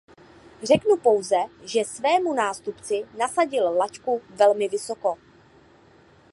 Řeknu pouze, že svému nástupci nasadil laťku velmi vysoko.